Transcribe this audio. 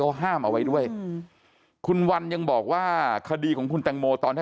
เขาห้ามเอาไว้ด้วยคุณวันยังบอกว่าคดีของคุณแตงโมตอนถ้า